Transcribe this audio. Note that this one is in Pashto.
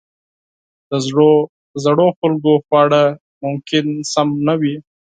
د زړو خلکو خواړه ممکن صحي نه وي.